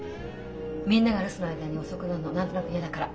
みんなが留守の間に遅くなるの何となく嫌だから。